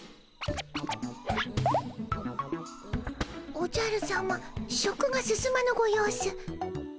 おじゃるさま食が進まぬご様子。